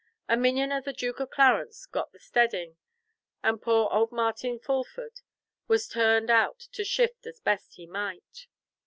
A minion of the Duke of Clarence got the steading, and poor old Martin Fulford was turned out to shift as best he might.